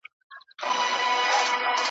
بیا به اوبه وي پکښي راغلي `